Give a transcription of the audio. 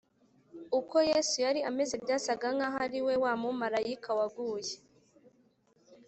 Uko Yesu yari ameze byasaga nkaho ari we wa mumarayika waguye